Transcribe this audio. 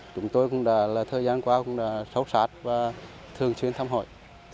chúng tôi cũng đã thời gian qua sâu sát và thường xuyên thăm hỏi